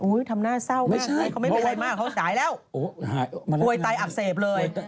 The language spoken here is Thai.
ทำหน้าเศร้ามากใช่เขาไม่เป็นไรมากเขาจ่ายแล้วป่วยไตอักเสบเลย